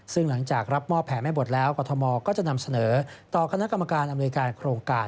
ซึ่งหลังจากรับมอบแผนให้หมดแล้วกรทมก็จะนำเสนอต่อคณะกรรมการอำนวยการโครงการ